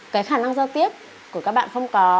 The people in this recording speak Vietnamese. cái khả năng giao tiếp của các bạn không có